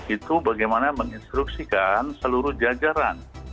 itu bagaimana menginstruksikan seluruh jajaran